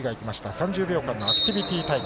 ３０秒間のアクティビティタイム